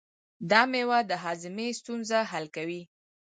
دا مېوه د هاضمې ستونزې حل کوي.